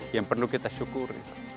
yang perlu kita syukur